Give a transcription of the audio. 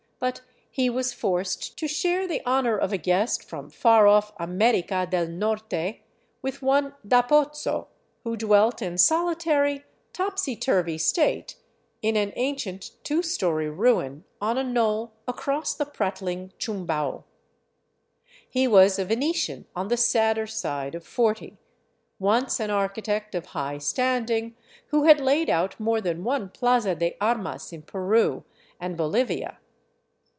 But he was forced to share the honor of a guest from far ofif America del Norte with one Da Pozzo, who dwelt in solitary, topsyturvy state in an ancient, two story ruin on a knoll across the prattling Chumbau. He was a Venetian on the sadder side of forty, once an architect of high standing, who had laid out more than one Plaza de Armas in Peru and Bolivia.